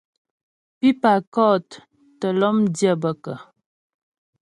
Pípà kɔ̂t tə́ lɔ́mdyə́ bə kə́ ?